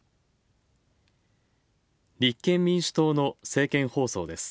立憲民主党の政見放送です。